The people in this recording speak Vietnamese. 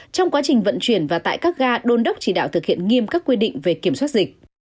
trong quá trình vận chuyển và tại các ga đôn đốc chỉ đạo thực hiện nghiêm các quy định về kiểm soát dịch